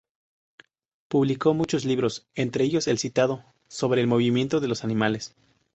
Publicó muchos libros, entre ellos el citado "Sobre el movimiento de los animales".